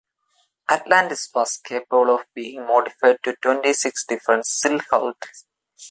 "Atlantis" was capable of being modified to twenty-six different silhouettes.